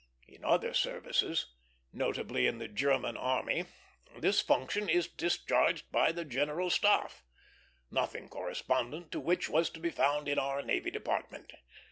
In other services, notably in the German army, this function is discharged by the general staff, nothing correspondent to which was to be found in our Navy Department.